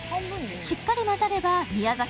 しっかり混ざれば宮崎